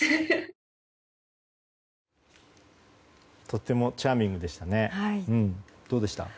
とてもチャーミングでしたね。